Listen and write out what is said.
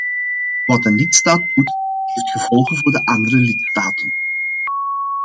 Wat een lidstaat doet, heeft gevolgen voor de andere lidstaten.